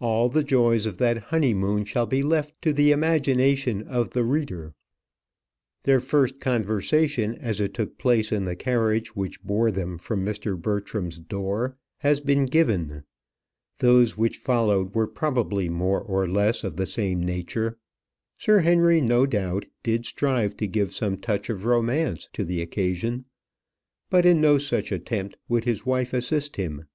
All the joys of that honeymoon shall be left to the imagination of the reader. Their first conversation, as it took place in the carriage which bore them from Mr. Bertram's door, has been given. Those which followed were probably more or less of the same nature. Sir Henry, no doubt, did strive to give some touch of romance to the occasion; but in no such attempt would his wife assist him.